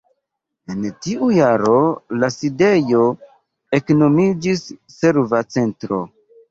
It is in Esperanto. En tiu jaro la sidejo eknomiĝis "Serva Centro".